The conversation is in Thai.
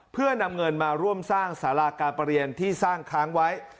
เพื่อนำเงินมาร่วมสร้างสาราการประเรียนที่สร้างค้างไว้